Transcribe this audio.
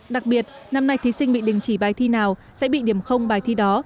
đặc biệt năm nay thí sinh bị đình chỉ bài thi nào sẽ bị điểm bài thi đó